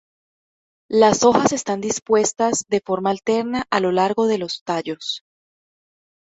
Las hojas están dispuestas de forma alterna a lo largo de los tallos.